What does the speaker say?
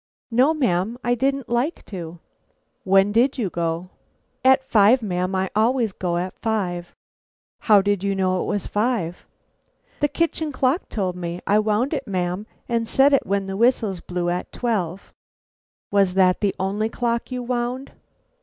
"No, ma'am; I didn't like to." "When did you go?" "At five, ma'am; I always go at five." "How did you know it was five?" "The kitchen clock told me; I wound it, ma'am and set it when the whistles blew at twelve." "Was that the only clock you wound?"